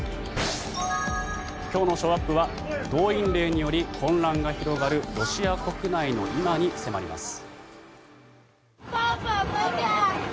今日のショーアップは動員令により混乱が広がるロシア国内の今に迫ります。